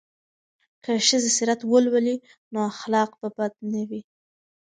که ښځې سیرت ولولي نو اخلاق به بد نه وي.